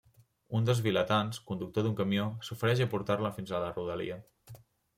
Un dels vilatans, conductor d'un camió, s'ofereix a portar-la fins a la rodalia.